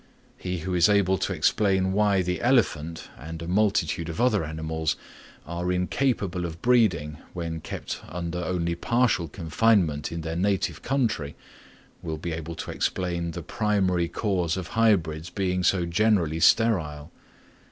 He who is able to explain why the elephant, and a multitude of other animals, are incapable of breeding when kept under only partial confinement in their native country, will be able to explain the primary cause of hybrids being so generally sterile.